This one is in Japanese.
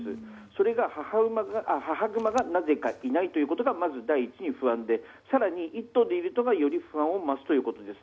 それが母グマがなぜかいないということがまず第一に不安で更に１頭でいるとより不安が増すと思います。